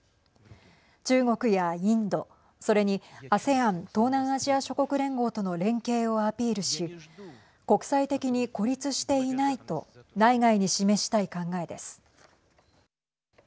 中国やインド、それにＡＳＥＡＮ＝東南アジア諸国連合との連携をアピールし国際的に孤立していないと内外に示したい考えです。